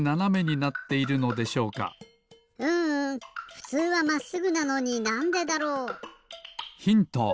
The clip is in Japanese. ふつうはまっすぐなのになんでだろう？ヒント！